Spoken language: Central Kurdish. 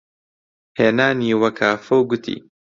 هێنانیوە کافە و گوتی: